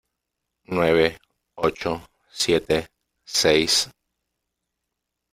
Nueve , ocho , siete , seis ...